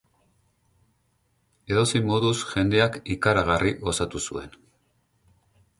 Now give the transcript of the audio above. Edozein moduz, jendeak ikaragarri gozatu zuen.